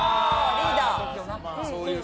リーダー！